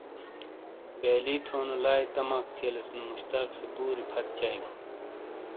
بیئلی تھیونو لاے تماک تھیلئس نو مشتاق سے پوری فت تھایوں۔